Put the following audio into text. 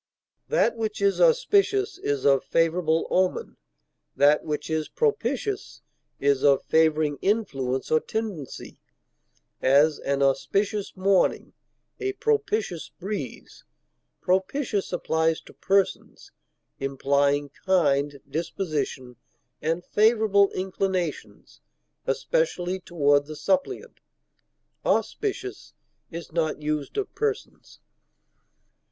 That which is auspicious is of favorable omen; that which is propitious is of favoring influence or tendency; as, an auspicious morning; a propitious breeze. Propitious applies to persons, implying kind disposition and favorable inclinations, especially toward the suppliant; auspicious is not used of persons.